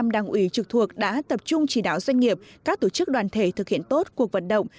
ba mươi năm đảng ủy trực thuộc đã tập trung chỉ đáo doanh nghiệp các tổ chức đoàn thể thực hiện tốt cuộc vận động